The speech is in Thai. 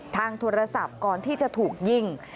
ทางโทรศัพท์ก่อนที่จะถูกยิง